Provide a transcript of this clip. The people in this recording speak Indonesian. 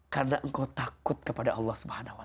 karena engkau takut kepada allah